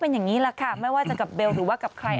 เป็นอย่างนี้แหละค่ะไม่ว่าจะกับเบลหรือว่ากับใคร